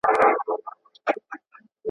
ښایي پنډي په اوږه باندي ګڼ توکي راوړي.